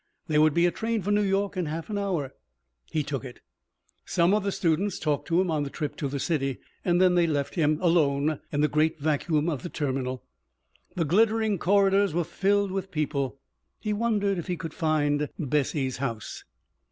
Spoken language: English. There would be a train for New York in half an hour. He took it. Some of the students talked to him on the trip to the city. Then they left him, alone, in the great vacuum of the terminal. The glittering corridors were filled with people. He wondered if he could find Bessie's house.